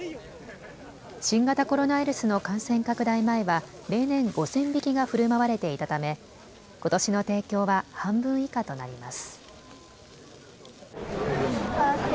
新型コロナウイルスの感染拡大前は例年５０００匹がふるまわれていたためことしの提供は半分以下となります。